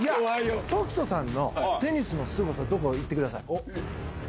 凱人さんのテニスのすごさ、どこか言ってください。